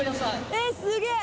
えっすげえ